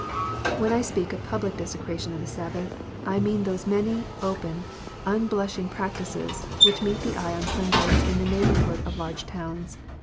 When I speak of public desecration of the Sabbath, I mean those many open, unblushing practices, which meet the eye on Sundays in the neighbourhood of large towns.